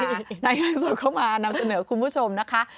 รายงานสดเข้ามานำเสนอคุณผู้ชมนะคะ